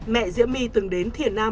mẹ diễm my từng đến thiền nam